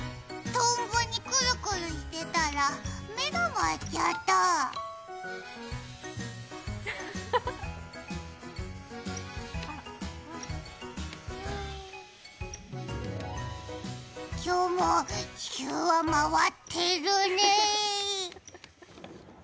トンボにくるくるしてたら目が回っちゃった今日も地球は回ってるねぇ。